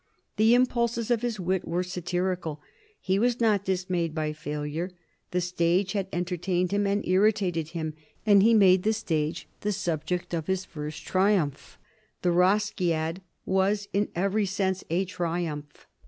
The impulses of his wit were satirical; he was not dismayed by failure; the stage had entertained him and irritated him, and he made the stage the subject of his first triumph. "The Rosciad" was in every sense a triumph.